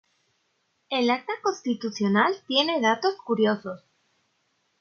El acta constitucional tiene datos curiosos.